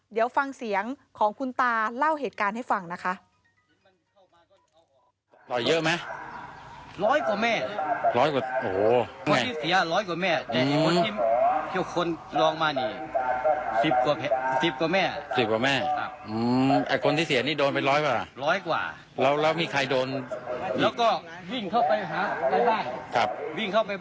เดี๋ยวฟังเสียงของคุณตาเล่าเหตุการณ์ให้ฟังนะคะ